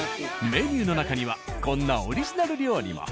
メニューの中にはこんなオリジナル料理も。